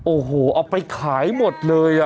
โอ้โหเอาไปขายหมดเลย